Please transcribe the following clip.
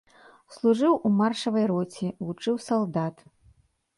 Служыў у маршавай роце, вучыў салдат.